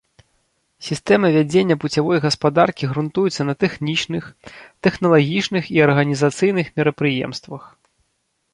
Сістэма вядзення пуцявой гаспадаркі грунтуецца на тэхнічных, тэхналагічных і арганізацыйных мерапрыемствах.